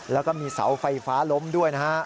แล้วก็มีเสาไฟฟ้าล้มด้วยนะฮะ